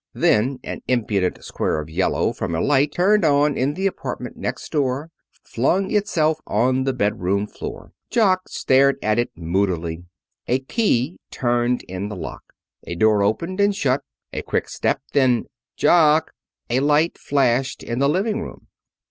Then an impudent square of yellow from a light turned on in the apartment next door flung itself on the bedroom floor. Jock stared at it moodily. A key turned in the lock. A door opened and shut. A quick step. Then: "Jock!" A light flashed in the living room.